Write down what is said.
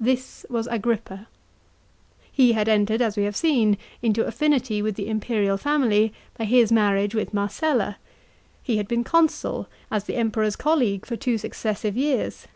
This was Agrippa. He had entered, as we have seen, into affinity with the imperial family by his marriage with Marcella ; he had been consul, as the Emperor's colleague for two successive years.